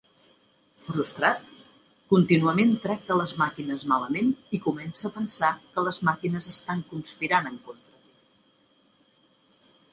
Frustrat, contínuament tracta a les màquines malament i comença a pensar que les màquines estan conspirant en contra d'ell.